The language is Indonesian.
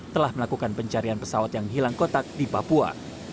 telah melakukan pencarian pesawat yang hilang kotak di papua